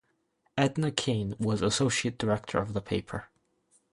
Edna Cain was associate editor of the paper.